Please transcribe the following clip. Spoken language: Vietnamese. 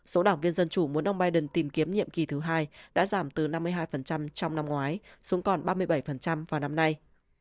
số đảng viên dân chủ muốn ông biden tìm kiếm nhiệm kỳ thứ hai đã giảm từ năm mươi hai trong năm ngoái xuống còn ba mươi bảy vào năm nay